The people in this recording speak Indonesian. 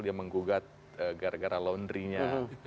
dia menggugat gara gara laundry nya